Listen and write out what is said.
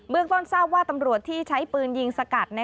ต้นทราบว่าตำรวจที่ใช้ปืนยิงสกัด